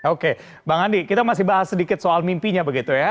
oke bang andi kita masih bahas sedikit soal mimpinya begitu ya